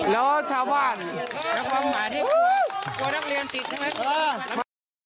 แล้วชาวบ้านในความหมายที่ตัวนักเรียนติดใช่ไหม